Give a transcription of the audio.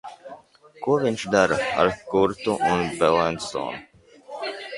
Ko viņš dara ar Kurtu un Blenstonu?